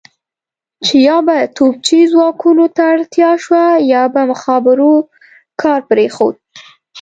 چې یا به توپچي ځواکونو ته اړتیا شوه یا به مخابرو کار پرېښود.